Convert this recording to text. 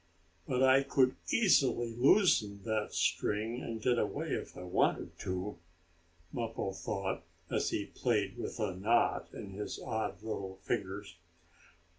"But I could easily loosen that string and get away if I wanted to," Mappo thought as he played with the knot in his odd little fingers.